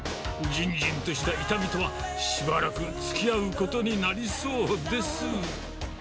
じんじんとした痛みとは、しばらくつきあうことになりそうです。